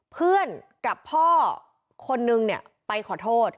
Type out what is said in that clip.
เพื่อนกับพ่อคนหนึ่งไปขอโทษ